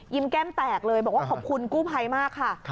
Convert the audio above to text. แก้มแตกเลยบอกว่าขอบคุณกู้ภัยมากค่ะ